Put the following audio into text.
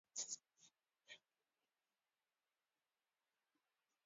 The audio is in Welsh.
Mae'r wyddor estynedig yn cynnwys y llythrennau ychwanegol cweorth, calc, cealc, a stan.